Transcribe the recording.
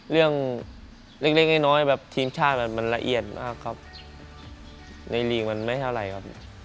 เรื่องเล็กน้อยแบบทีมชาติมันละเอียดมากครับในลีกมันไม่เท่าไหร่ครับ